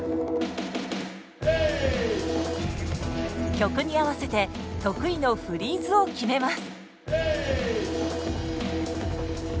曲に合わせて得意のフリーズを決めます。